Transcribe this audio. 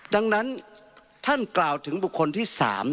ดังนั้นท่านกล่าวถึงบุคคลที่๓